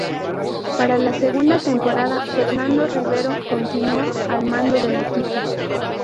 Para la segunda temporada Fernando Rivero continuó al mando del equipo.